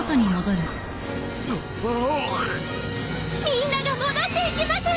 みんなが戻っていきます！